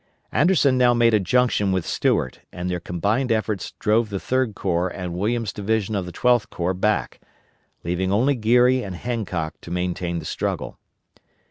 Anderson now made a junction with Stuart, and their combined efforts drove the Third Corps and Williams' division of the Twelfth Corps back, leaving only Geary and Hancock to maintain the struggle.